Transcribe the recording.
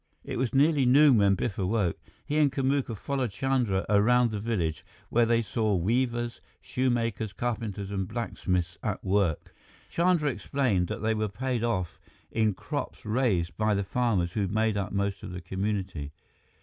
It was nearly noon when Biff awoke. He and Kamuka followed Chandra around the village, where they saw weavers, shoemakers, carpenters, and blacksmiths at work. Chandra explained that they were paid off in crops raised by the farmers who made up most of the community.